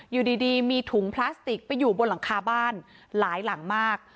อยู่ดีมีถุงพลาสติกไปอยู่บนหลังคาบ้านหลายหลังมาก